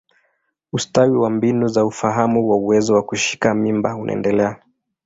Ustawi wa mbinu za ufahamu wa uwezo wa kushika mimba unaendelea.